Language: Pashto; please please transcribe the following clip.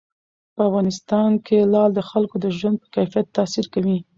په افغانستان کې لعل د خلکو د ژوند په کیفیت تاثیر کوي.